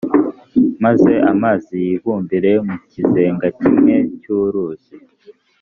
maze amazi yibumbire mu kizenga kimwe cy’uruzi.